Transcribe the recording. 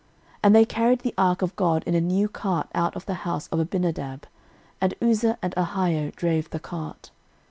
13:013:007 And they carried the ark of God in a new cart out of the house of Abinadab: and Uzza and Ahio drave the cart.